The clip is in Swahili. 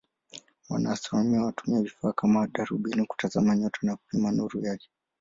Wanaastronomia wanatumia vifaa kama darubini kutazama nyota na kupima nuru yake.